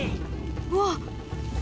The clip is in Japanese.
わっ！